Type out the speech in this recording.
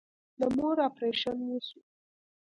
د مور اپريشن وسو.